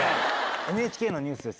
「ＮＨＫのニュースです」